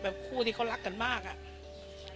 คู่ที่เขารักกันมากอะ